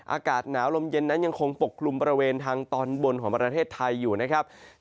อากาศหนาวลมเย็นนั้นยังคงปกกลุ่มบริเวณทางตอนบนของประเทศไทยอยู่นะครับ